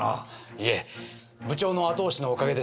いえ部長の後押しのおかげです。